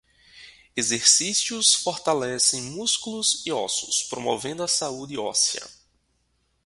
Exercícios fortalecem músculos e ossos, promovendo a saúde óssea.